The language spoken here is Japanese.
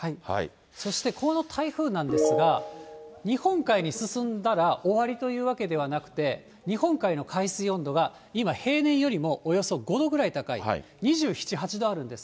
そしてこの台風なんですが、日本海に進んだら、終わりというわけではなくて、日本海の海水温度が今、平年よりもおよそ５度ぐらい高い、２７、８度あるんです。